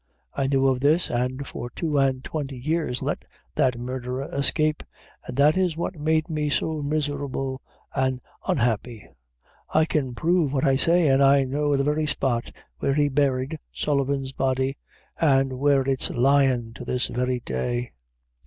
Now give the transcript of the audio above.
I knew of this, an' for two an' twenty years let that murdherer escape, an' that is what made me so miserable an' unhappy. I can prove what I say; an' I know the very spot where he buried Sullivan's body, an' where it's lyin' to this very day."